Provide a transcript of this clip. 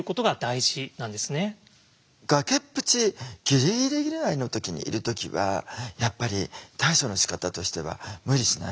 崖っぷちギリギリぐらいの時にいる時はやっぱり対処のしかたとしては無理しないほうがいいと思うんです。